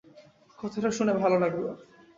কথাটা শুনে ভালো লাগলো!